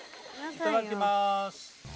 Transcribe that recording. いただきます。